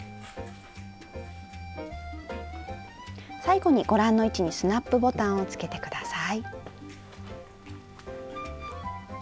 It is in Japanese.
最後にご覧の位置にスナップボタンをつけて下さい。